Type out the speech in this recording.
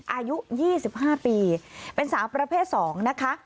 อายุ๒๕ปีเป็นสาวประเภท๒นะคะ